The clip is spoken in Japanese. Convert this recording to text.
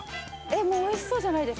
もうおいしそうじゃないですか？